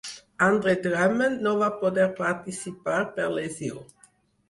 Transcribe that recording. Andre Drummond no va poder participar per lesió.